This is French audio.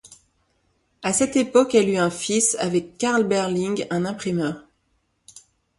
À cette époque, elle eut un fils avec Carl Berling, un imprimeur.